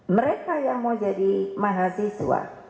mereka yang mau jadi mahasiswa